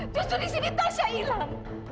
justru disini tasya hilang